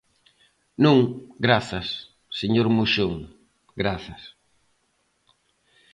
Non, grazas, señor Moxón, grazas.